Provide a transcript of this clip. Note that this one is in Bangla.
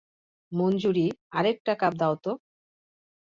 মঞ্জুরী, আরেকটা কাপ দাও তো।